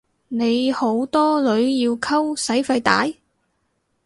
你好多女要溝使費大？